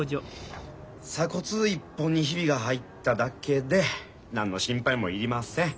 鎖骨一本にひびが入っただけで何の心配もいりません。